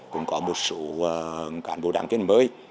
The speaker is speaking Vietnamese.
cũng có một số cán bộ đảng viên mới